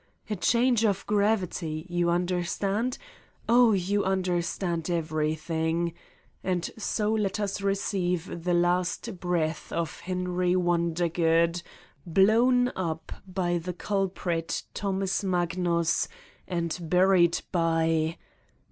A change of gravity! You understand? Oh, you under stand everything. And so let us receive the last breath of Henry Wondergood, blown up by the culprit Thomas Magnus and buried by